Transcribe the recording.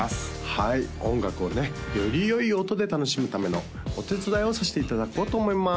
はい音楽をねよりよい音で楽しむためのお手伝いをさせていただこうと思います